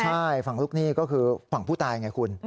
ใช่ฝั่งลูกหนี้ก็คือฝั่งผู้ตายไงคุณ